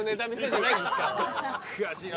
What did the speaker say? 悔しいな。